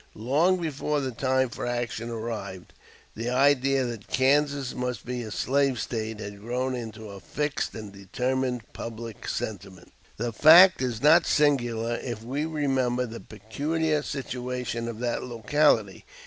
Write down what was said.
Long before the time for action arrived, the idea that Kansas must be a slave State had grown into a fixed and determined public sentiment. The fact is not singular if we remember the peculiar situation of that locality.